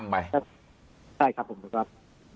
ใช่ครับคุณครับ